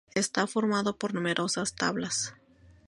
Está formado por numerosas tablas.